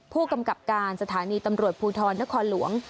ผู้กำกับการสถานีตำรวจภูทรนครหลวง